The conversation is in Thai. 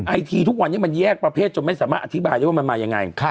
ไอทีทุกวันนี้มันแยกประเภทจนไม่สามารถอธิบายได้ว่ามันมายังไง